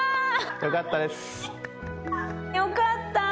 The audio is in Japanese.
よかった。